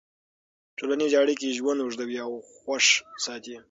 ټولنیزې اړیکې ژوند اوږدوي او خوښ ساتي.